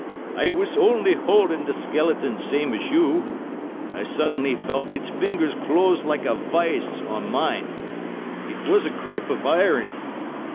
"I was only holding the skeleton the same as you, when I suddenly felt its fingers close like a vice on mine. It was a grip of iron.